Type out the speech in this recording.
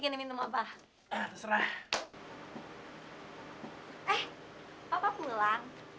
kairwin kenapa sih